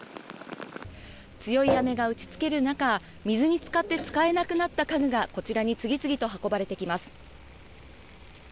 強い雨が打ち付ける中水に浸かって使えなくなった家具が、こちらに次々と運ばれてきます。